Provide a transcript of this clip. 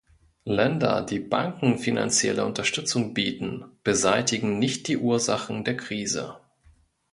Länder, die Banken finanzielle Unterstützung bieten, beseitigen nicht die Ursachen der Krise.